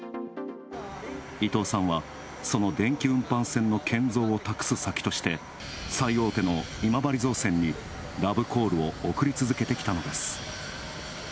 伊藤さんは、その電気運搬船の建造を託す先として、最大手の今治造船にラブコールを送り続けてきたのです。